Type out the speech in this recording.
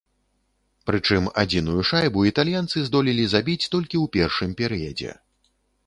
Прычым адзіную шайбу італьянцы здолелі забіць толькі ў першым перыядзе.